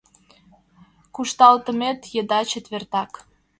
Кушталтымет еда - четвертак